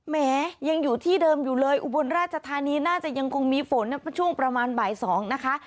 แม้ยังอยู่ที่เดิมอยู่เลยอุบลราชธานีน่าจะยังคงมีฝนช่วงประมาณบ่าย๒นะคะ